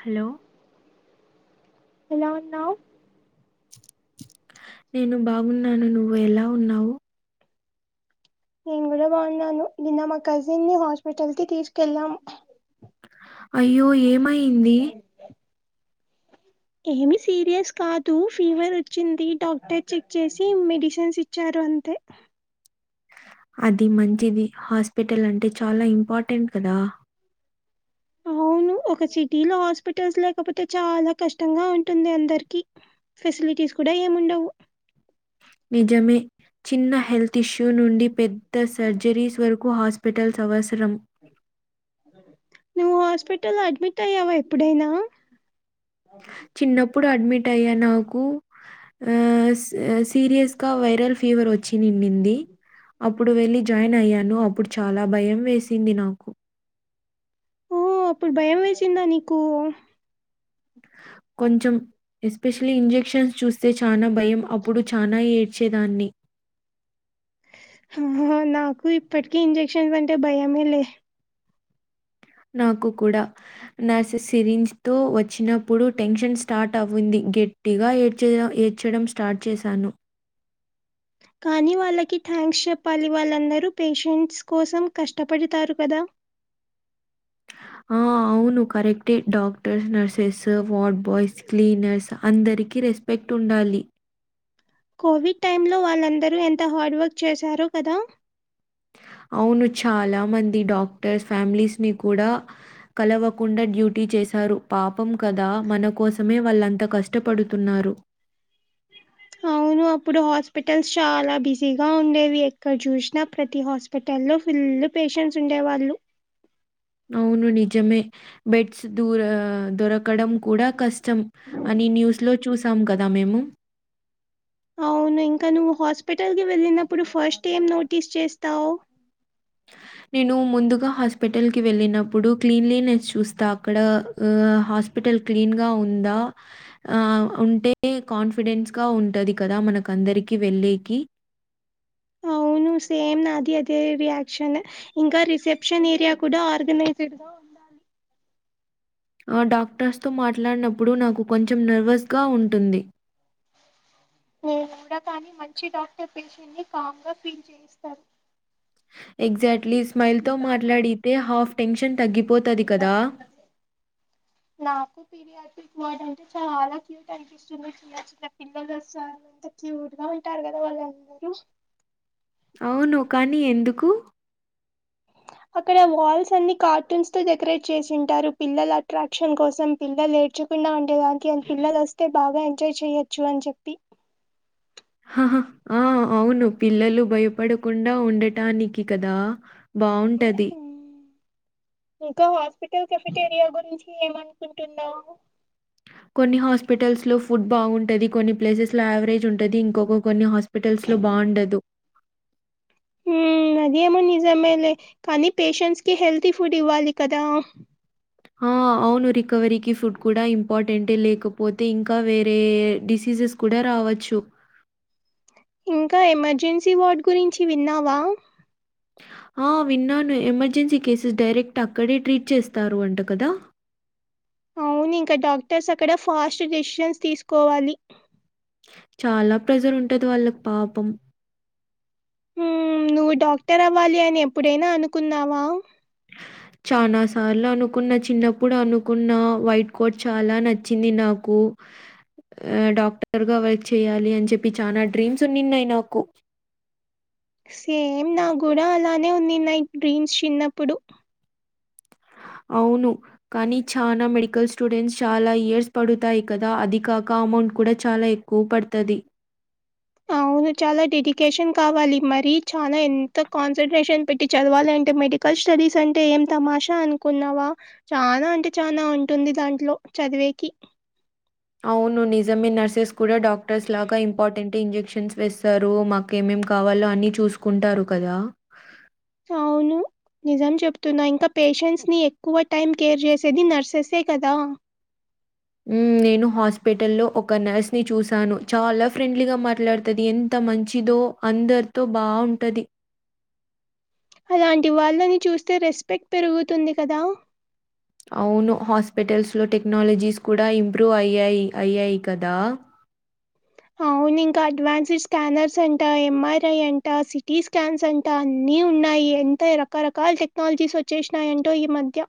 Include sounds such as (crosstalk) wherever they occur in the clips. Hello ఎలా ఉన్నావ్ నేను బాగున్నాను నువ్వు ఎలా ఉన్నావ్ నేను కూడా బాగున్నాను నిన్న మా కజిన్ ని హాస్పిటల్ కి తీసుకెళ్ళాం అయ్యో ఏమై అవు ఏమి సీరియస్ కాదు ఫీవర్ వచ్చింది డాక్టర్ చెక్ చేసి మెడిసిన్స్ ఇచ్చారు అంతే అది మంచిది హాస్పిటల్ అంటే చాలా ఇంపార్టెంట్ కదా ఆ అవును ఒక సిటీలో హాస్పిటల్స్ లేకపోతే చాలా కష్టంగా ఉంటుంది అందరికి ఫెసిలి తీసు కూడా ఏముండవు నిజమే చిన్న హెల్త్ ఇష్యూ నుండి పెద్ద సర్జరీస్ వరకు హాస్పిటల్స్ అవస నువ్వు హాస్పిటల్ అడ్మిట్ అయ్యావా ఎప్పుడైనా చిన్నప్పుడు అడ్మిట్ అయ్యా నాకు ఆ సీరియస్ గా వైరల్ ఫీవర్ వచ్చి నిండింది ఇప్పుడు వెళ్లి జాయిన్ అయ్యాను అప్పుడు చాలా భయం వేసింది నాకు ఓ అప్పుడు భయం వేసిందా నీకు కొంచెం ఎస్పెషలీ ఇంజెక్షన్స్ చూస్తే చానా భయం అప్పుడు చానా ఏడ్చేదాన్ని. హమ్మో నాకు ఇప్పటికీ ఇంజెక్షన్స్ అంటే భయమే లే. నాకు కూడా, నర్స్ సిరింజ్ తో వచ్చినప్పుడు టెన్షన్ స్టార్ట్ అవుంది. గట్టిగా ఏడ్చ ఏడ్చడం స్టార్ట్ చేశాను. కానీ వాళ్ళకి థ్యాంక్స్ చెప్పాలి, వాళ్ళందరూ పేషెంట్స్ కోసం కష్టపడతారు కదా? ఆ! అవును కరెక్టే doctors, nurses, ward boys, cleaners అందరికి రెస్పెక్ట్. టుండాలి కోవిడ్ టైం లో వాళ్ళందరూ ఎంత హార్డ్ వర్క్ చేశారో కదా! అవును చాలా మంది డాక్టర్స్, ఫ్యామిలీస్ ని కూడా కలవకుండా డ్యూ. డ్యూటీ చేశారు పాపం కదా! మన కోసమే వాళ్ళంత కష్టపడుతున్నారు. అవును అప్పుడు హాస్పిటల్స్ చాలా బిజీగా ఉండేవి, ఎక్కడ చూసినా ప్రతి హాస్పిటల్ లొ. లో ఫుల్ పేషెన్స్ ఉండే వాళ్ళు అవును నిజమే బెడ్స్ దూర దొరకడం. కూడా కష్టం అని న్యూస్లో చూసాం కదా మేము! అవును ఇంకా, నువ్వు హాస్పిటల్కి వెళ్ళినప్పుడు ఫస్ట్ ఏం నోటీస్ చేస్తావు? నేను ముందుగా హాస్పిటల్ కి వెళ్ళినప్పుడు క్లీన్లీనెస్ చూస్తా, అక్కడ ఆ హాస్పిటల్. టల్ క్లీన్గా ఉందా? ఆ ఉంటే కాన్ఫిడెన్స్ గా ఉంటది కదా మనకం. దరికి వెళ్లేకి అవు ను సేమ్ నాది అదే రియాక్షనే ఇంకా రిసెప్షన్ ఏరియా కూడా ఆర్గనైజడ్ గా ఉండాలి. ఆ డాక్టర్స్ తో మాట్లాడినప్పుడు నాకు కొంచెం నర్వస్గా ఉంటుంది. మ్ ఎవరో కానీ మంచి డాక్టర్ పేషెంట్ ని కామ్ గా ఫీల్ చేయిస్తారు. ఎగ్జాక్ట్లీ స్మైల్ తో మాట్లాడితే హాఫ్ టెన్షన్ తగ్గి. పోతది కదా పీరియాటిక్ వర్డ్ అయితే చాలా క్యూట్ అనిపిస్తుంది చిన్న, చిన్న పిల్లలు వస్తారు ఎంత క్యూట్ గా. ఉంటారు కదా వాళ్లందరూ అవును కానీ ఎందుకు అక్కడ వాల్స్ అన్ని కార్టూన్స్ తో డెకరేట్ చేసి ఉంటారు. పిల్లల అట్రాక్షన్ కోసం పిల్లలు ఏడ్చ, కుండ ఉండడానికి అన్ పిల్లలోస్తే బాగా ఎంజాయ్ చెయొచ్చు అని చెప్పి. హా హా ఆ అవును పిల్లలు భయపడకుండా ఉండటానికి కదా? బావుంటది మ్మ్. ఇంకా హాస్పిటల్ కెఫిటేరియా గురించి ఏమనుకుంటున్నావు. కొన్ని హాస్పిటల్స్ లో ఫుడ్ బాగుంటది, కొన్ని ప్లేసెస్ లో యావరేజ్ ఉంటుది ఇంకొక కొన్ని హాస్పిట. ల్స్ లో బాగుండదు. హు అదేమో నిజమే లే కానీ పేషెంట్స్ కి హెల్తీ ఫుడ్ ఇవ్వాలి కదా? ఆ! అవును రికవరీకి ఫుడ్ కూడా ఇంపార్టెంట్. లేకపోతే ఇంకా వేరే డిసీజెస్ కూడా రా, అవచ్చు ఇంకా ఎమర్జెన్సీ వార్డు గురించి విన్నావా ఆ విన్నాను ఎమర్జెన్సీ కేసెస్ డైరెక్ట్ అక్కడే ట్రీట్ చేస్తారు అంట కదా అవును ఇంకా డాక్టర్స్ అక్కడ ఫాస్ట్ డెసిజన్స్ తీసుకోవాలి చాలా ప్రేజర్ ఉంటది వాళ్ళకి పాపం నువ్వు డాక్టర్ అవ్వాలి అని ఎప్పుడైనా అనుకున్నావా చనా సార్లు అనుకున్న చిన్నప్పుడు అనుకున్న వైట్ కోట్ చాలా నచ్చింది నాకు ఆ డాక్టర్గా వర్క్ చేయ్యాలి అని చెప్పి చాలా డ్రీమ్స్ ఉన్నిన్నాయి నాకు సేమ్ నా కూడా అలానే ఉంది నా డ్రీమ్స్ చిన్నప్పుడు అవును కానీ చానా మెడికల్ స్టూడెంట్స్ చాలా ఇయర్స్ పడుతాయి కదా అది కాక అమౌంట్ కూడా చాలా ఎక్కువ పడుతది అవు చాలా డెడికేషన్ కావాలి మరి చానా ఎంత కాన్సంట్రేషన్ పెట్టి చదవాలి అంటే మెడికల్ స్టడీస్ అంటే ఏం తమాషా అనుకున్నావా చాలా అంటే చానా ఉంటుంది దాంట్లో చదివేకి అవును నిజమే నర్సెస్ కూడా డాక్టర్స్ లాగా ఇంపార్టెంట్ ఇంజెక్షన్స్ వేస్తారు మాకేమ ఏం కావాలో అన్ని చూసుకుంటారు కదా అవును నిజం చెప్తున్నా ఇంకా పేషెంట్స్ ని ఎక్కువ టైం కేర్ చేసేది నర్సెసే కదా నేను హాస్పిటల్ లో ఒక నర్స్ ని చూశాను చాలా ఫ్రెండ్లీగా మాట్లాడుతది ఎంత మంచిదో అందరితో బావుంటది అలాంటి వాళ్ళని చూస్తే రెస్పెక్ట్ పెరుగుతుంది కదా అవును హాస్పిటల్స్ లో టెక్నాలజీస్ కూడా ఇంప్రూవ్ అయ్యాయి అయ్యాయి కదా అవు అవున్ ఇంకా అడ్వాన్స్డ్ స్కానర్స్ అంట ఎంఆర్ఐ అంట సిటీ స్కాన్స్ అంట అన్ని ఉన్నాయి ఎంత రకరకాల టెక్నాలజీస్ వచ్చేసినాయంటో ఈ మధ్య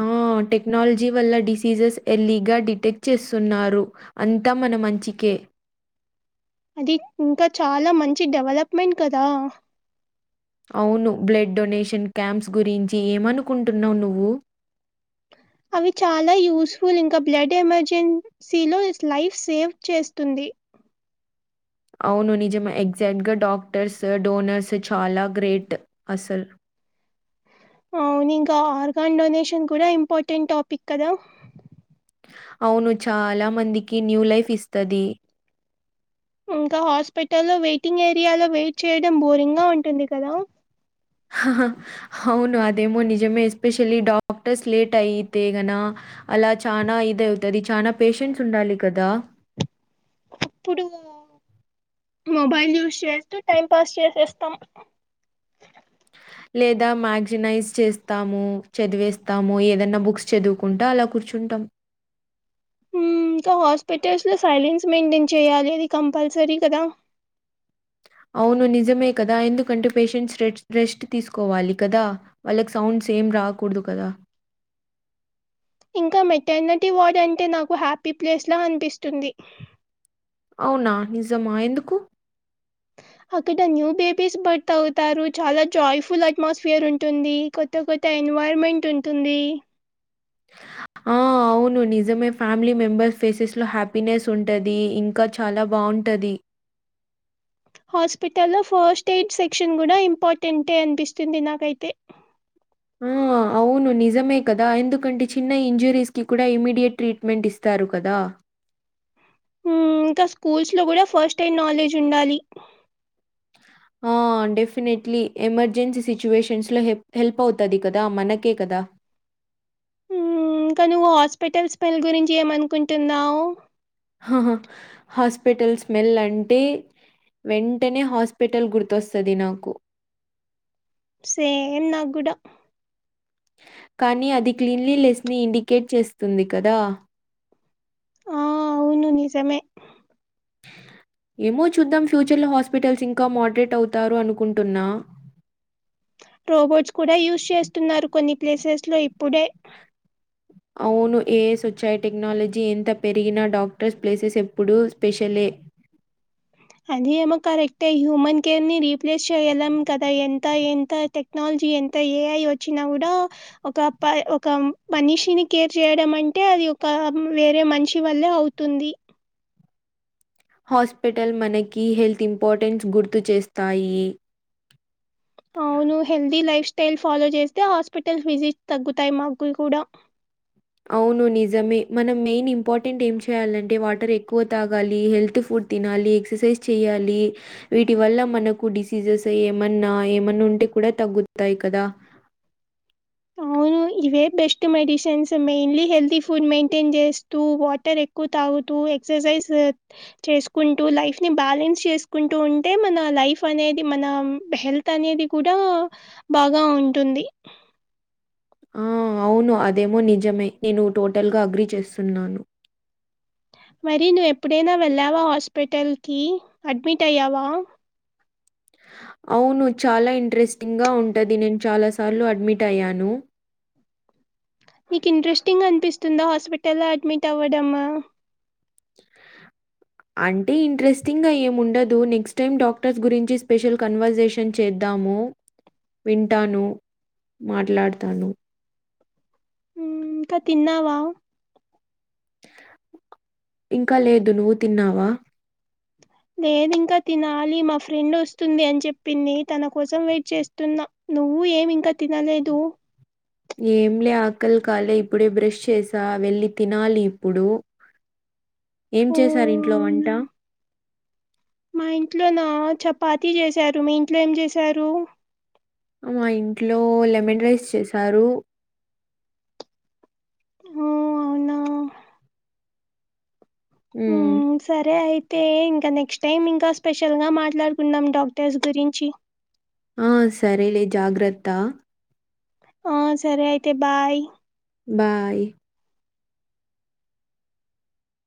ఆ! టెక్నాలజీ వల్ల డిసీజెస్ ఎర్లీగా డిటెక్ట్ చేస్తున్నారు అంతా మన మంచికే అది ఇంకా చాలా మంచి డెవలప్మెంట్ కదా అవును బ్లడ్ డొనేషన్ క్యాంప్స్ గురించి ఏమనుకుంటున్నావు నువ్వు బ అవి చాలా యూస్ఫుల్ ఇంకా బ్లడ్ ఎమర్జెన్సీలో లైఫ్ సేవ్ చేస్తుంది అవును నిజమే ఎగ్జాక్ట్ గా డాక్టర్స్ డోనర్స్ చాలా గ్రేట్ అసలు అవునుకా ఆర్గాన్ డొనేషన్ కూడా ఇంపార్టెంట్ టాపిక్ కదా అవును చాలా మందికి న్యూ లైఫ్ ఇస్తది ఇంకా హాస్పిటల్లో వెయిటింగ్ ఏరియాలో వెయిట్ చేయడం బోరింగ్ గా ఉంటుంది కదా అవును అదేమో నిజమే ఎస్పెషలీ డాక్టర్స్ లేట్ అయితేగనా అలా చానా ఇద అవుతుది చానా పేషెంట్స్ ఉండాలి కదా ఇప్పుడు మొబైల్ యూస్ చేస్తూ టైం పాస్ చేసేస్తాం లేదా మ్యాగ్జినైజ్ చేస్తాము చదివేస్తాము ఏదనా బుక్స్ చదువుకుంటా అలా కూర్చు (unintelligible) ఇంకా హాస్పిటల్స్ లో సైలెన్స్ మెయింటైన్ చేయ్యాలి అది కంపల్సరీ కదా అవును నిజమే కదా ఎందుకంటే పేషెంట్స్ రెస్ట్ తీసుకోవాలి కదా వాళ్ళకి సౌండ్స్ సేమ్ రాకూడదు కదా ఇంకా మెటర్నిటీ వార్డు అంటే నాకు హ్యాపీ ప్లేస్ లా అనిపిస్తుంది అవునా నిజమా ఎందుకు అక్కడ న్యూ బేబీస్ బర్త్ అవుతారు చాలా జాయ్ఫుల్ అట్మాస్ఫియర్ ఉంటుంది కొత్త కొత్త ఎన్వైరమెంట్ ఉంటుంది ఆవును నిజమే ఫ్యామిలీ మెంబెర్స్ ఫేసెస్ లో హ్యాపీనెస్ ఉంటది ఇంకా చాలా బాగుంటది హాస్పిటల్ లో ఫస్ట్ ఎయిడ్ సెక్షన్ కూడా ఇంపార్టెంట్ అంటే అనిపిిస్తంది ద నాకైతే ఆ అవు ను నిజమే కదా ఎందుకంటే చిన్న ఇంజురీస్ కి కూడా ఇమీడియట్ ట్రీట్మెంట్ ఇస్తారు కదా ఇంకా స్కూల్స్ లో కూడా ఫస్ట్ టైం నాలెడ్జ్ ఉండాలి డెఫినెట్లీ ఎమర్జెన్సీ సిచ్యువేషన్స్ లో హె హెల్ప్ అవుతది కదా మనకే కదా ఇంకా నువ్వు హాస్పిటల్స్ పెల్ గురించి ఏమనుకుంటున్నావ్ హా హాస్పిటల్ స్మెల్ అంటే వెంటనే హాస్పిటల్ గుర్తొస్తుది నాకు సేమ్ నా కూడా కానీ అది క్లీన్లీనెస్ ని ఇండికేట్ చేస్తుంది కదా ఆ అవును నిజమే ఏమో చూద్దాం ఫ్యూచర్ లో హాస్పిటల్స్ ఇంకా మోడరేట్ అవుతారు అనుకుంటున్నా రోబోట్స్ కూడా యూజ్ చేస్తున్నారు కొన్ని ప్లేసెస్ లో ఇప్పుడే అవును ఏఐ సచ్చాయి టెక్నాలజీ ఎంత పెరిగినా డాక్టర్స్ ప్లేసెస్ ఎప్పుడూ స్పెషలే అది ఏమో కరెక్ట్ హ్యూమన్ కేర్ ని రీప్లేస్ చెయ్యలం కదా ఎంత ఎంత టెక్నాలజీ ఎ ఇంత ఏ అఐ వచ్చినా కూడా ఒక ఒక మనిషిని కేర్ చేయడం అంటే అది ఒక వేరే మనిషి వల్లే అవుతుంది హాస్పిటల్ మనకి హెల్త్ ఇంపార్టెన్స్ గుర్తు చేస్తాయి ఆవును హెల్ది లైఫ్ టేల్ ఫాలో చేస్తే హాస్పిటల్ విజిట్ తగ్గుతాయి మాగులు కూడా అవును నిజంమే మనం మెయిన్ ఇంపార్టెంట్ ఏం చేయాలంటే వాటర్ ఎక్కువ తాగాలి హెల్త్ ఫుడ్ తినాలి ఎక్ససైజ్ చేయాలి వీటి వల్ల మనకు డిసీజెస్ ఏమన్నా ఏమన్నా ఉ అప్పుడే కూడా తగ్గుతాయి కదా త అవు ఇవే best medicines mainly healthy food మెయిైన్ చేస్తూ వాటర్ ఎక్కువ తా టు ఎక్సైజ్ చేసుకుంటూ లైఫ్ ని బ్యాలెన్స్ చేసుకుంటూ ఉంటే మన లైఫ్ అనే అనేది మన హెల్త్ అనేది కూడా బాగా ఉంటుంది ఆ అవును అదేమో నిజమే నేను టోటల్గా అగ్రిీ చేస్తున్నాను మరి నువ్వు ఎప్పుడైనా వెళ్ళావా హాస్పిటల్కి అడ్మిట్ అయ్యావా అవును చాలా ఇంట్రెస్టింగ్గా ఉంటుది నేను చాలా సార్లు అడ్మిట్ అయ్యాను నీకు ఇంట్రెస్టింగ్ గా అనిపిస్తుందా హాస్పిటల్లో అడ్మిట్ అవ్వడమా అంటే ఇంట్రెస్టింగ్ గా ఏమిండదు నెక్స్ట్ టైమ్ డాక్టర్స్ గురించి స్పెషల్ కన్వర్సేషన్ చేద్దాం తాము వింటాను మాట్లాడతాను ఉమ్ ఇంకా తిన్నావా ఇంకా లేదు నువ్వు తిన్నావా లేదింక తినాలి మా ఫ్రెండ్ వస్తుంది అని చెప్పింది తన కోసం వెయిట్ చేస్తున్నా నువ్ నువ్వు ఏమి ఇంక తినలేదు ఏంలే ఆకలి కాలే ఇప్పుడే బ్రష్ చేసా వెళ్ళి తినాలి ఇప్పుడు ఏం ఓ చేశారు ఇంట్లో వంట? అవునా మా ఇంట్లోల చెప్ పాతి చేసారు మీ ఇంట్లో ఏం చేసారు మా ఇంట్లో లెమన్ రైస్ చేసారు ఓ అవునా హ్మ్. ఉమ్ సరే అయిత్ అయితే ఇంకా నెక్స్ట్ టైమ్ ఇంకా స్పెషల్ గా మాట్లాడుకున్నాం డాక్టర్స్ గురించి ఆ సరేలే జాగ్రత్త ఆ సరే అయితే బాయ్ బాయ్